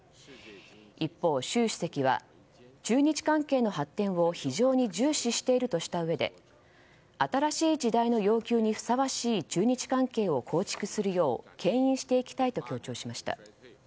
一方、習主席は中日関係の発展を非常に重視しているとしたうえで新しい時代の要求にふさわしい中日関係を構築するよう牽引していきたいと強調しました。